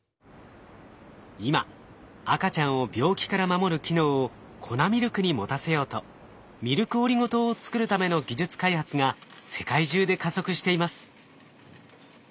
今赤ちゃんを病気から守る機能を粉ミルクに持たせようとミルクオリゴ糖を作るための技術開発が世界中で加速しています。